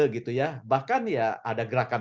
gitu ya bahkan ya ada gerakan